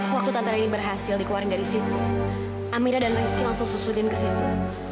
waktu tante lini berhasil dikeluarin dari situ amira dan rizky langsung susulin ke situ